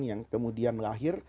yang kemudian lahir